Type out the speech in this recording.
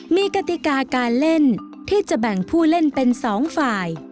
มีกติกาการเล่นที่จะแบ่งผู้เล่นเป็น๒ฝ่าย